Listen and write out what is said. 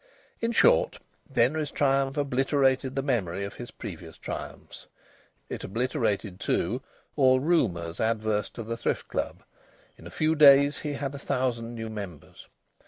In short, Denry's triumph obliterated the memory of his previous triumphs. It obliterated, too, all rumours adverse to the Thrift Club. In a few days he had a thousand new members.